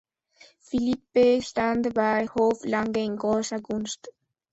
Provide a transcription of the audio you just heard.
Philippe stand bei Hof lange in großer Gunst.